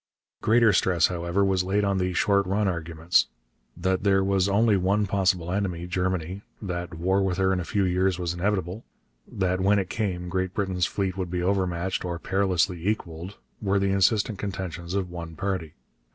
Greater stress, however, was laid on the 'short run' arguments. That there was only one possible enemy, Germany; that war with her in a few years was inevitable; that when it came Great Britain's fleet would be overmatched, or perilously equalled, were the insistent contentions of one party.